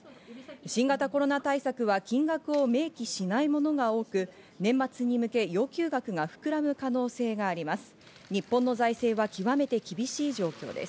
新型コロナ対策は金額を明記しないものが多く、年末に向け要求額が膨らむ可能性があります。